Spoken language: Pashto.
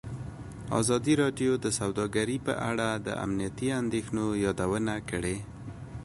ازادي راډیو د سوداګري په اړه د امنیتي اندېښنو یادونه کړې.